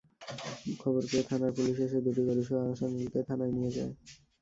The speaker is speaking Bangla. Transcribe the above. খবর পেয়ে থানার পুলিশ এসে দুটি গরুসহ আহসানুলকে থানায় নিয়ে যায়।